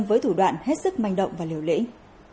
với thủ đoạn hết sức manh động và liều lĩnh